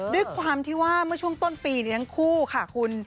ด้วยความที่ว่าเมื่อช่วงต้นปีเลี้ยงคู่ค่ะคุณ